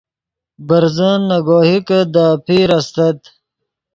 برزن نے گوہکے دے اپیر استت